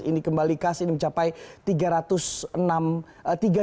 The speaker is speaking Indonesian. ini kembali kas ini mencapai tiga ratus enam ribu